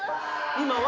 今は。